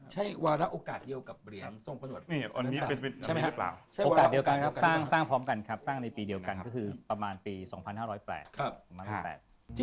ใช่ครับสร้างในปีเดียวกันก็คือประมาณปี๒๕๐๘